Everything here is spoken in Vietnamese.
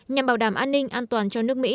nhằm bảo đảm an ninh an toàn cho nước mỹ